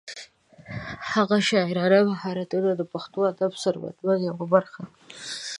د هغه شاعرانه مهارتونه د پښتو ادب د ثروت یوه برخه ده.